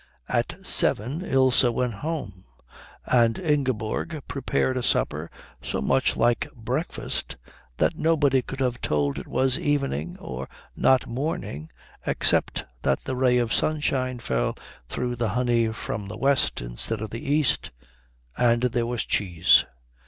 At seven Ilse went home, and Ingeborg prepared a supper so much like breakfast that nobody could have told it was evening and not morning except that the ray of sunshine fell through the honey from the west instead of the east, and there was cheese.